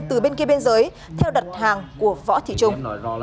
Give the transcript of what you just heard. từ bên kia bên dưới theo đặt hàng của võ thị trung